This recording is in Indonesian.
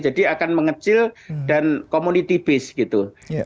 jadi akan mengecil dan community base gitu